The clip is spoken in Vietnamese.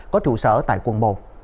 có trụ sở tại quân một